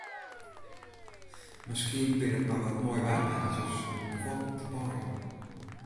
Miskien binne it mar wat moaiwaarpraatsjes om de befolking te paaien.